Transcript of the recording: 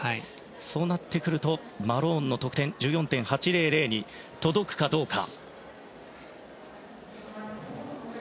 そうなってくるとマローンの得点、１４．８００に届くかどうか。